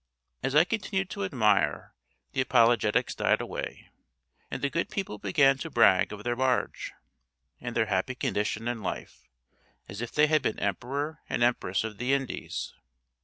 As I continued to admire, the apologetics died away, and the good people began to brag of their barge, and their happy condition in life, as if they had been Emperor and Empress of the Indies.